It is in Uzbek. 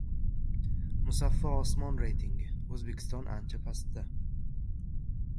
"Musaffo osmon" reytingi: O‘zbekiston ancha pastda